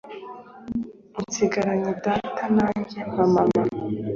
usigaranye data nanjye mpa mama